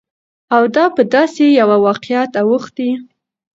او دا په داسې يوه واقعيت اوښتى،